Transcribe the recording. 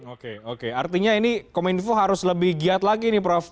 oke oke artinya ini kominfo harus lebih giat lagi nih prof